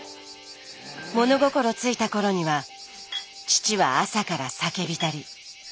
物心ついた頃には父は朝から酒浸り。